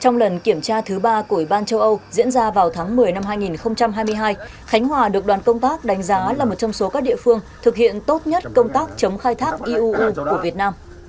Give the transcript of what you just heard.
nói ra vào tháng một mươi năm hai nghìn hai mươi hai khánh hòa được đoàn công tác đánh giá là một trong số các địa phương thực hiện tốt nhất công tác chống khai thác iuu của việt nam